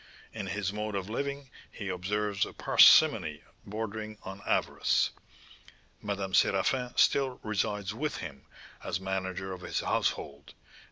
In his mode of living he observes a parsimony bordering on avarice. Madame Séraphin still resides with him, as manager of his household; and M.